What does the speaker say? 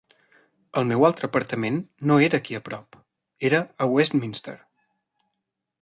El meu altre apartament no era aquí a prop, era a Westminster.